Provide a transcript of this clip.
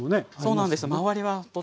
そうなんですよ。